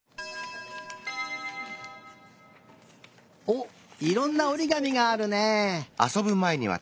おっいろんなおりがみがあるね。